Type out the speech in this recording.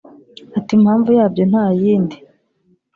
Ati “Impamvu yabyo nta yindi